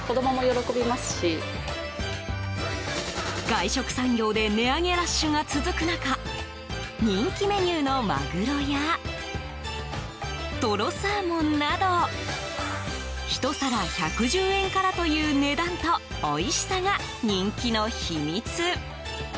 外食産業で値上げラッシュが続く中人気メニューの、まぐろやとろサーモンなど１皿１１０円からという値段とおいしさが人気の秘密。